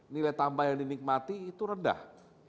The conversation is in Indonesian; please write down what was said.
nilai tambah yang dinikmati itu rendah